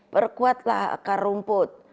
perkuatlah akar rumput